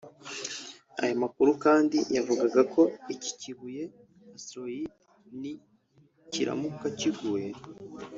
Aya makuru kandi yavugaga ko iki kibuye (Asteroid) ni kiramuka kiguye